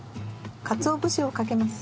かつお節をかけます。